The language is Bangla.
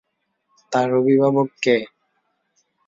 তার অভিভাবক কে?